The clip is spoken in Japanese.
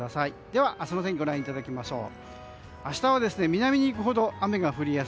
では、明日の天気をご覧いただきましょう。